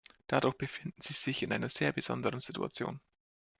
Dadurch befinden sie sich in einer sehr besonderen Situation.